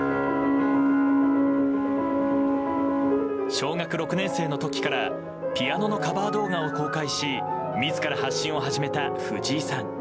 小学６年生の時からピアノのカバー動画を公開し自ら発信を始めた藤井さん。